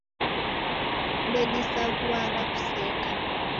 Ndedisaghuagha kuseka.